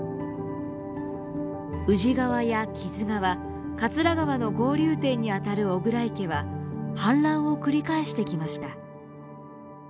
宇治川や木津川桂川の合流点にあたる巨椋池は氾濫を繰り返してきました。